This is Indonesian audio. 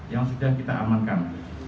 yang sudah kita amankan